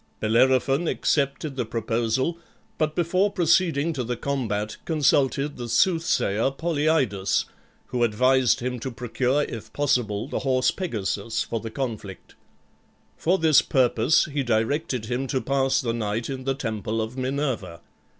Bellerophon accepted the proposal, but before proceeding to the combat consulted the soothsayer Polyidus, who advised him to procure if possible the horse Pegasus for the conflict. For this purpose he directed him to pass the night in the temple of Minerva.